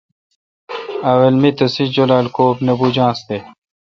اول می تسے جولال کو بوجانس تے ۔